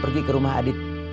pergi ke rumah adit